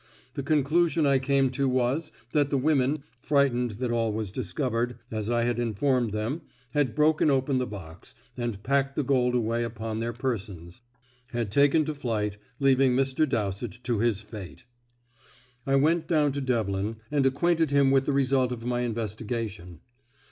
The conclusion I came to was, that the women, frightened that all was discovered, as I had informed them, had broken open the box, and, packing the gold away upon their persons, had taken to flight, leaving Mr. Dowsett to his fate. I went down to Devlin, and acquainted him with the result of my investigation.